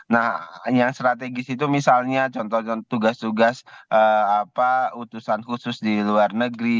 nah yang strategis itu misalnya contoh tugas tugas utusan khusus di luar negeri